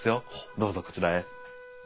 どうぞこちらへ。